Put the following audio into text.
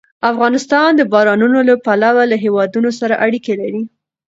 افغانستان د بارانونو له پلوه له هېوادونو سره اړیکې لري.